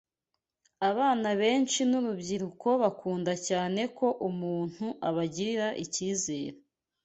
Abana benshi n’urubyiruko bakunda cyane ko umuntu abagirira icyizere